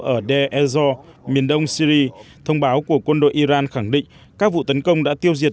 ở deir ez zor miền đông syri thông báo của quân đội iran khẳng định các vụ tấn công đã tiêu diệt